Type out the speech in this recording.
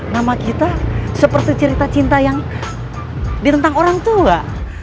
nama kita seperti cerita cinta yang ditentang orang tua